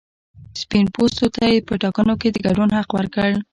سپین پوستو ته یې په ټاکنو کې د ګډون حق ورکړ.